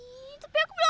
ihh tapi aku belum mau